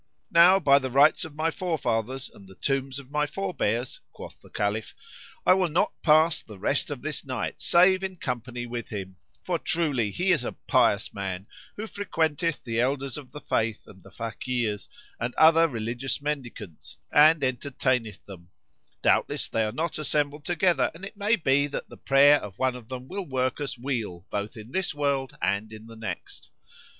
"Now by the rights of my forefathers and the tombs of my forbears," quoth the Caliph, "I will not pass the rest of this night save in company with him; for truly he is a pious man who frequenteth the Elders of the Faith and the Fakirs and other religious mendicants and entertaineth them; doubtless they are not assembled together and it may be that the prayer of one of them will work us weal both in this world and in the next.